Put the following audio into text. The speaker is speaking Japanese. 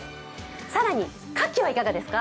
更にかきはいかがですか？